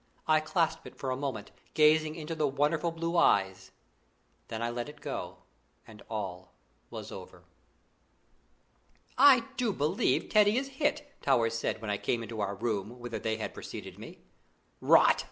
I clasped it for a moment, gazing into the wonderful blue eyes; then I let it go, and all was over. "I do believe Teddy is hit!" Towers said when I came into our room, whither they had preceded me. "Rot!"